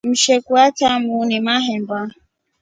Msheku achya muuni mahemba.